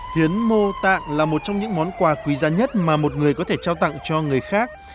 hiến mô tạng là một trong những món quà quý giá nhất mà một người có thể trao tặng cho người khác